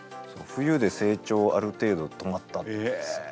冬で成長ある程度止まったんですよ。